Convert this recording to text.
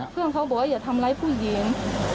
เขาบอกว่าอย่าทำร้ายผู้หญิง